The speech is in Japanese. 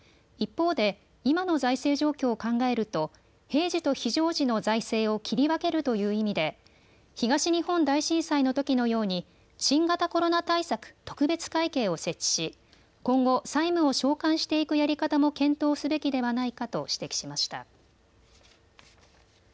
一方で今の財政状況を考えると平時と非常時の財政を切り分けるという意味で東日本大震災のときのように新型コロナ対策特別会計を設置し今後、債務を償還していくやり方も検討すべきではないかと指摘しました。